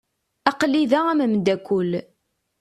Aql-i da am umdakel.